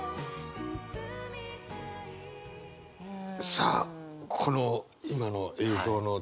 さあこの今の映像の気持ち。